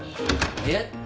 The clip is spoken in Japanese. えっ？